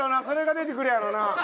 それが出てくるやろな。